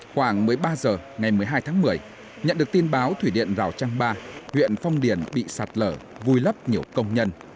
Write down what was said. khoảng một mươi ba h ngày một mươi hai tháng một mươi nhận được tin báo thủy điện rào trăng ba huyện phong điền bị sạt lở vùi lấp nhiều công nhân